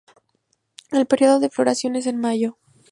El periodo de floración es en mayo.